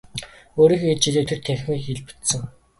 Өөрийнхөө ид шидээр тэр танхимыг илбэдсэн.